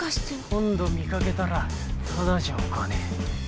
今度見掛けたらただじゃおかねえ。